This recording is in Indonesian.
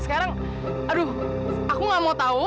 sekarang aduh aku gak mau tahu